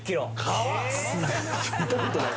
聞いたことない。